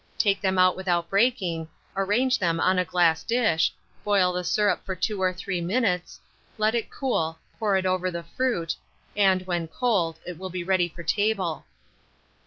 Take them out without breaking, arrange them on a glass dish, boil the syrup for 2 or 3 minutes, let it cool, pour it over the fruit, and, when cold, it will be ready for table.